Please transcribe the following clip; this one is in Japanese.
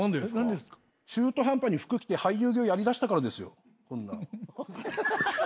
中途半端に服着て俳優業やりだしたからですよ。